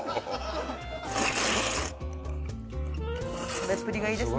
食べっぷりがいいですね